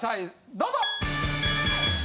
どうぞ！